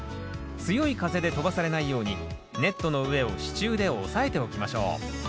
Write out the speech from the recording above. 強い風で飛ばされないようにネットの上を支柱で押さえておきましょう。